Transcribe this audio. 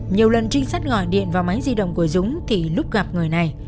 nhiều lần trinh sát gọi điện vào máy di động của dũng thì lúc gặp người này